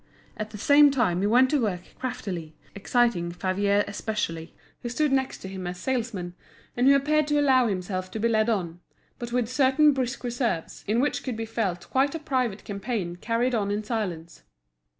At the same time he went to work craftily, exciting Favier especially, who stood next to him as salesman, and who appeared to allow himself to be led on, but with certain brusque reserves, in which could be felt quite a private campaign carried on in silence.